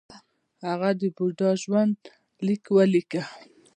هغه د بودا ژوند لیک ولیکه